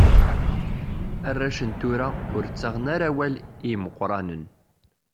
Arrac n tura ur ttaɣen ara awal i yimeqqranen.